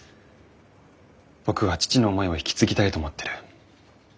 僕は父の思いを引き継ぎたいと思ってる。